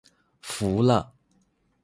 服了